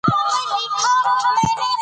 په پردي کور کي ژوند په ضرور دی